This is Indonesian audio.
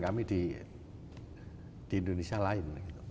karena kan kami di indonesia lain